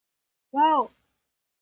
わぁお